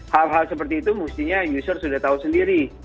hal hal seperti itu mestinya user sudah tahu sendiri